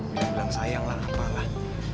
dia bilang sayang lah apalah